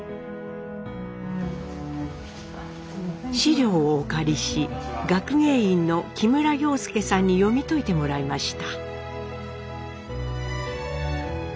資料をお借りし学芸員の木村洋介さんに読み解いてもらいました。